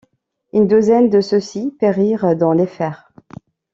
Une douzaine de ceux-ci périrent dans les fers.